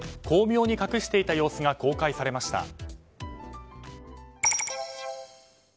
巧妙に隠していた様子が公開されました。